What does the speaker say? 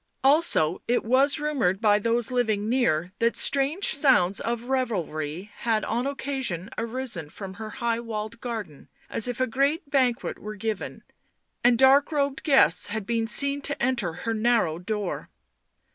Also, it was rumoured by those living near that strange sounds of revelry had on occasion arisen from her high walled garden, as if a great banquet were given, and dark robed guests had been seen to enter her narrow door.